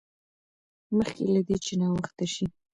مخکې له دې چې ناوخته شي.